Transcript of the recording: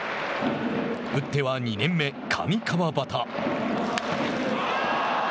打っては２年目、上川畑。